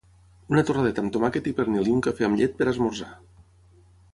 una torradeta amb tomàquet i pernil i un cafè amb llet per esmorzar